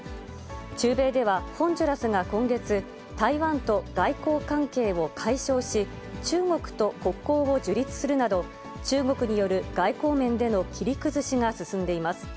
中米では、ホンジュラスが今月、台湾と外交関係を解消し、中国と国交を樹立するなど、中国による外交面での切り崩しが進んでいます。